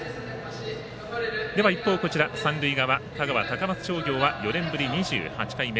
では、一方三塁側、香川・高松商業は４年ぶり２８回目。